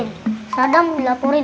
nanti sadam main bola tante videoin